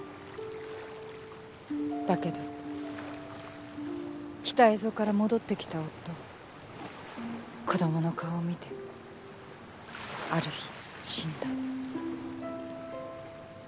だけど北蝦夷から戻ってきた夫子どもの顔を見てある日死んだ。